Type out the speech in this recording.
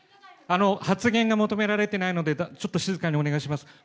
発言が求められてないので、ちょっと静かにお願いいたします。